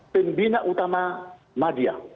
pembina utama madia